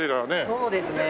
そうですね。